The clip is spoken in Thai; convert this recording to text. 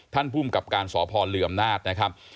ท่านผู้กับการสอพรเหลื่อมนาฏนะครับ